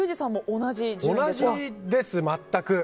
同じです、全く。